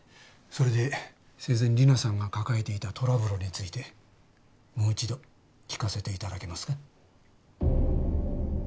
それで生前利奈さんが抱えていたトラブルについてもう一度聞かせていただけますか？